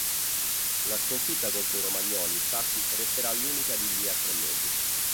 La sconfitta contro i romagnoli, infatti, resterà l'unica di lì a tre mesi.